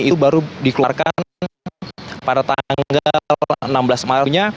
itu baru dikeluarkan pada tanggal enam belas maretnya